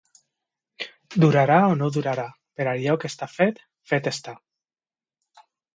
Durarà o no durarà, però allò que està fet, fet està.